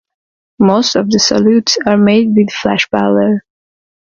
Most of the "salutes" are made with flash powder.